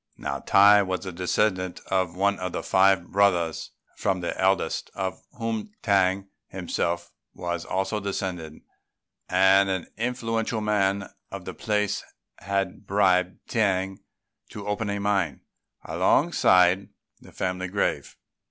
Now Tai was a descendant of one of five brothers, from the eldest of whom T'ang himself was also descended; and an influential man of the place had bribed T'ang to open a mine alongside the family grave.